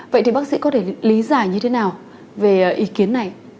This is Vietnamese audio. vậy thì bác sĩ có thể lý giải như thế nào về ý kiến này